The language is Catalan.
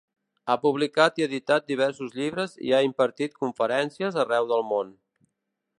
Ha publicat i editat diversos llibres i ha impartit conferències arreu del món.